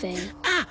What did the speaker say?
あっ！